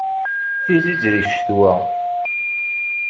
Tizzit di ccetwa!